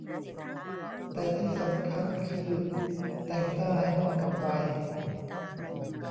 แต่ที่สำคัญคือแต่งหน้าให้เหมาะกับวัย